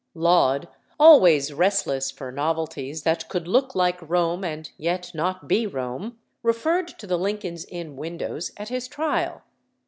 Laud, always restless for novelties that could look like Rome, and yet not be Rome, referred to the Lincoln's Inn windows at his trial.